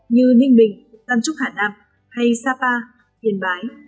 như ninh bình tam trúc hà nam hay sapa yên bái